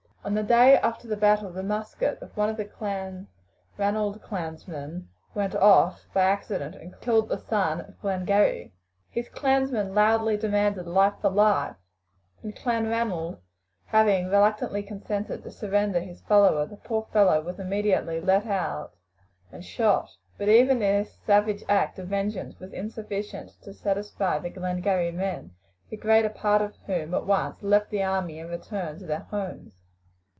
On the day after the battle the musket of one of the Clanranald clansmen went off by accident and killed the son of Glengarry. His clansmen loudly demanded life for life, and Clanranald having reluctantly consented to surrender his follower, the poor fellow was immediately led out and shot; but even this savage act of vengeance was insufficient to satisfy the Glengarry men, the greater part of whom at once left the army and returned to their homes.